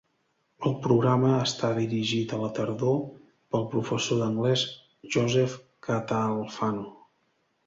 El programa està dirigit a la tardor pel professor d'anglès Joseph Catalfano.